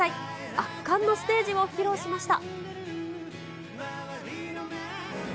圧巻のステージを披露しました。